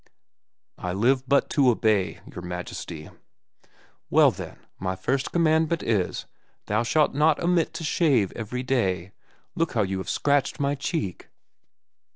"I live but to obey, your majesty." "Well, then, my first commandment is, Thou shalt not omit to shave every day. Look how you have scratched my cheek."